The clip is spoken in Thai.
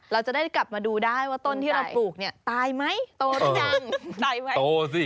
เราจะได้กลับมาดูได้ว่าต้นที่เราปลูกเนี่ยตายไหมโตหรือยังตายไว้โตสิ